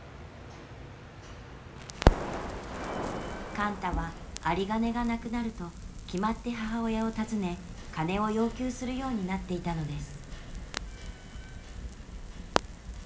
貫多は有り金がなくなると決まって母親を訪ね金を要求するようになっていたのです。